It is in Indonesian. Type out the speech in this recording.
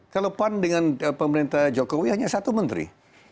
kalau pan dengan pemerintah jokowi hanya satu menteri